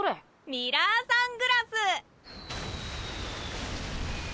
ミラーサングラス！